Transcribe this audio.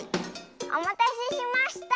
おまたせしました！